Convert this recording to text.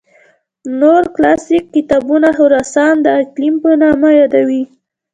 نور کلاسیک کتابونه خراسان د اقلیم په نامه یادوي.